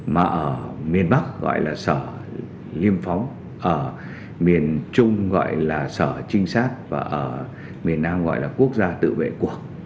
mà ở miền bắc gọi là sở liêm phóng ở miền trung gọi là sở trinh sát và ở miền nam gọi là quốc gia tự vệ cuộc